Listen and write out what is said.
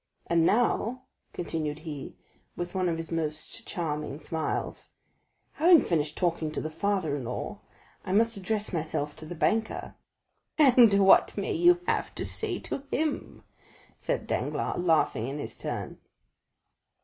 And now," continued he, with one of his most charming smiles, "having finished talking to the father in law, I must address myself to the banker." "And what may you have to say to him?" said Danglars, laughing in his turn.